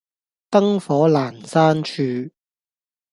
燈火闌珊處